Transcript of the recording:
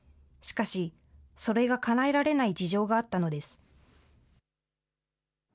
しかし、それがかなえられない事情があったのです。